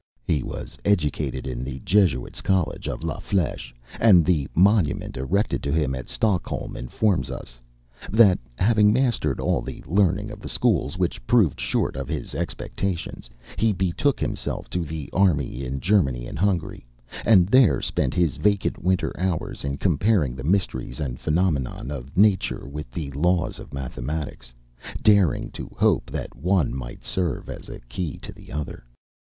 He was educated in the Jesuits' College of La Fl├©che; and the monument erected to him at Stockholm informs us, "That having mastered all the learning of the schools, which proved short of his expectations, he betook himself to the army in Germany and Hungary, and there spent his vacant winter hours in comparing the mysteries and phenomena of nature with the laws of mathematics, daring to hope that the one might serve as a key to the other.